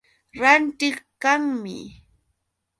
Rantiq kanmi.